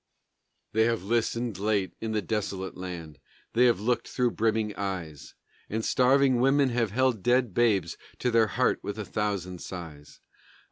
They have listened late in the desolate land, They have looked through brimming eyes, And starving women have held dead babes To their heart with a thousand sighs.